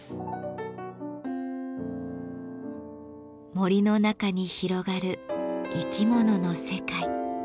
森の中に広がる生き物の世界。